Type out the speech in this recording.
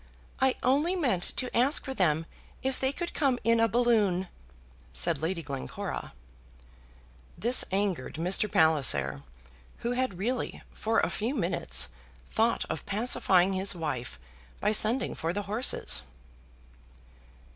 "I only meant to ask for them if they could come in a balloon," said Lady Glencora. This angered Mr. Palliser, who had really, for a few minutes, thought of pacifying his wife by sending for the horses.